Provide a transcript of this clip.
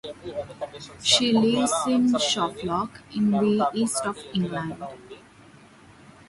She lives in Suffolk, in the East of England.